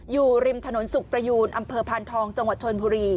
อยู่ริมถนนสุขประยูนอำเภอพานทองจังหวัดชนบุรี